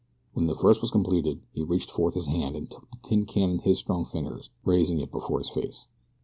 When the verse was completed he reached forth his hand and took the tin can in his strong fingers, raising it before his face.